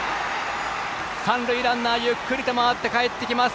三塁ランナーゆっくりと回ってかえってきます。